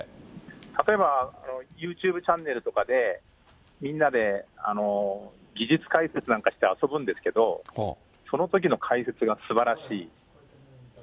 例えば、ユーチューブチャンネルとかで、みんなで技術解説なんかして遊ぶんですけど、そのときの解説がすばらしい。